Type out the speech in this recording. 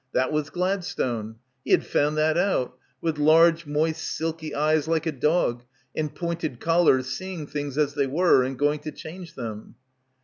That was Gladstone. He had found that out ... with large moist silky eyes like a dog and pointed collars seeing things as they were and going to change them.